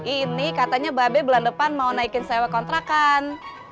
ini katanya babe bulan depan mau naikin sewa kontrakan